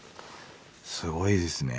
すごいですね。